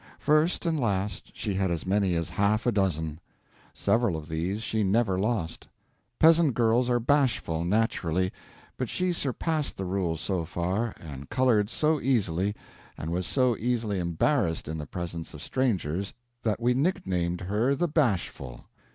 First and last she had as many as half a dozen. Several of these she never lost. Peasant girls are bashful naturally; but she surpassed the rule so far, and colored so easily, and was so easily embarrassed in the presence of strangers, that we nicknamed her the Bashful.